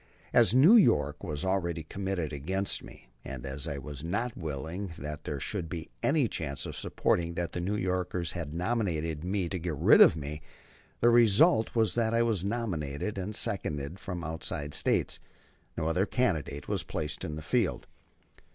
As New York was already committed against me, and as I was not willing that there should be any chance of supposing that the New Yorkers had nominated me to get rid of me, the result was that I was nominated and seconded from outside States. No other candidate was placed in the field.